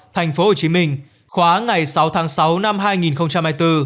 tp hcm khóa ngày sáu tháng sáu năm hai nghìn hai mươi bốn